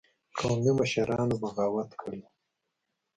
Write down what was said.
قومي مشرانو بغاوت کړی وو.